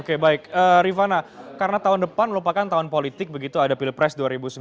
oke baik rifana karena tahun depan melupakan tahun politik begitu ada pilpres dua ribu sembilan belas